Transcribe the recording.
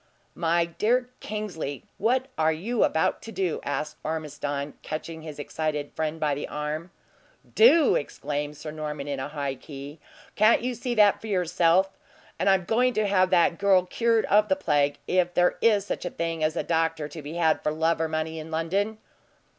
"My dear Kingsley, what are you about to do?" asked Ormiston, catching his excited friend by the arm. "Do!" exclaimed Sir Norman, in a high key. "Can't you see that for yourself! And I'm going to have that girl cured of the plague, if there is such a thing as a doctor to be had for love or money in London."